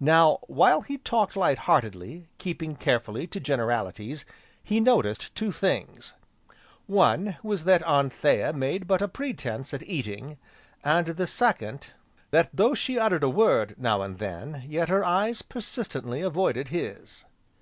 Now while he talked light heartedly, keeping carefully to generalities, he noticed two things, one was that Anthea made but a pretence at eating, and the second, that though she uttered a word, now and then, yet her eyes persistently avoided his.